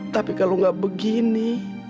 tapi kalau gak begini